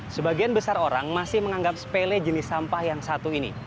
sebagian besar orang masih menganggap sepele jenis sampah yang satu ini